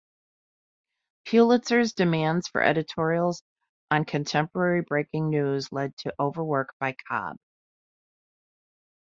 Pulitzer's demands for editorials on contemporary breaking news led to overwork by Cobb.